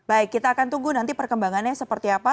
baik kita akan tunggu nanti perkembangannya seperti apa